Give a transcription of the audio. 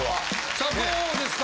さあどうですか？